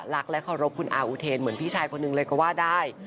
เคารพคุณอาอุเทนเหมือนพี่ชายคนหนึ่งเลยก็ว่าได้